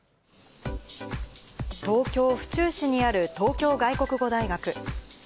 東京・府中市にある東京外国語大学。